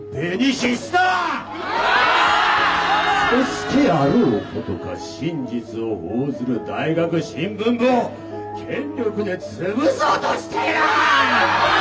そしてあろうことか真実を報ずる大学新聞部を権力で潰そうとしている！